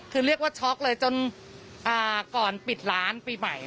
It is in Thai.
คือเรียกว่าช็อกเลยจนก่อนปิดร้านปีใหม่